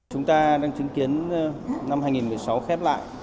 chúng ta đang chứng kiến năm hai nghìn một mươi sáu khép lại